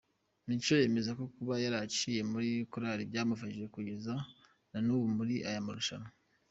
Mico yemeza ko kuba yaraciye muri korari byamufashije kugeza n’ubu muri aya marushanwa.